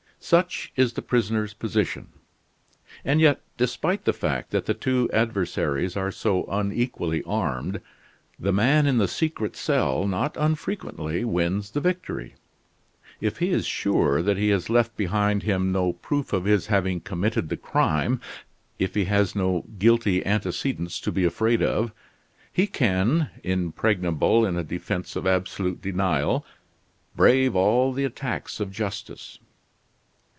Such is the prisoner's position, and yet despite the fact that the two adversaries are so unequally armed, the man in the secret cell not unfrequently wins the victory. If he is sure that he has left behind him no proof of his having committed the crime; if he has no guilty antecedents to be afraid of, he can impregnable in a defense of absolute denial brave all the attacks of justice.